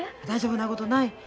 大丈夫なことない。